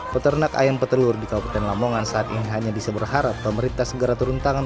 peternak ayam petelur di kabupaten lamongan saat ini hanya bisa berharap pemerintah segera turun tangan